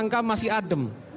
dalam kerangka masih adem